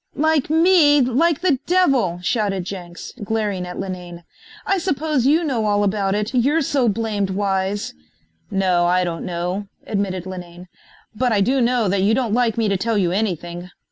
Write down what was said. "Like me, like the devil," shouted Jenks, glaring at Linane. "I suppose you know all about it, you're so blamed wise." "No, I don't know," admitted Linane. "But I do know that you don't like me to tell you anything.